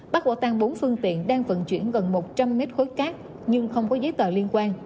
bắt quả tan bốn phương tiện đang vận chuyển gần một trăm linh m khối cát nhưng không có giấy tờ liên quan